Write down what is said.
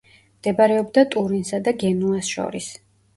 მდებარეობდა ტურინსა და გენუას შორის.